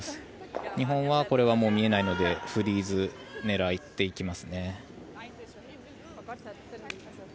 日本はこれはもう見えないのでフリーズを狙ってきますね。